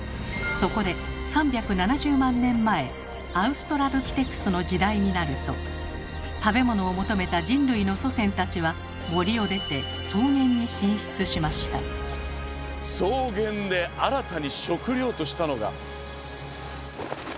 そこで３７０万年前アウストラロピテクスの時代になると食べ物を求めた人類の祖先たちは草原で新たに食糧としたのが。